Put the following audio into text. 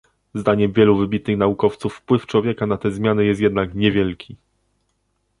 Zdaniem wielu wybitnych naukowców wpływ człowieka na te zmiany jest jednak niewielki